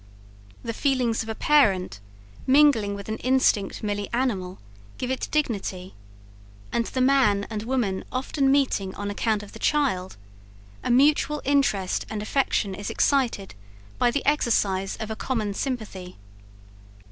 The feelings of a parent mingling with an instinct merely animal, give it dignity; and the man and woman often meeting on account of the child, a mutual interest and affection is excited by the exercise of a common sympathy.